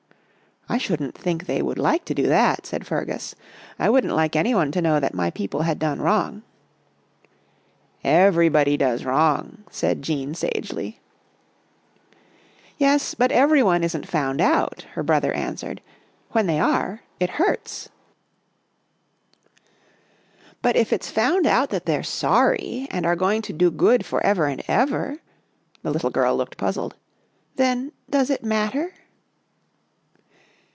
" I shouldn't think they would like to do that," said Fergus. " I wouldn't like any one to know that my people had done wrong." " Everybody does wrong," said Jean sagely. " Yes, but every one isn't found out," her brother answered. " When they are, it hurts." " But if it's found out that they're sorry and are going to do good for ever and ever," the little girl looked puzzled, " then does it mat ter?"